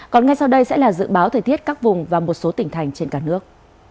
còn ngay sau đây sẽ là dự báo thời tiết các vùng và một số tỉnh thành trên cả nước